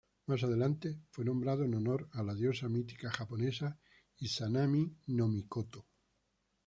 Más adelante fue nombrado en honor a la diosa mítica japonesa "Izanami-no-mikoto".